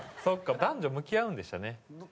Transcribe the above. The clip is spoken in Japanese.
そっか男女向き合うんでしたね。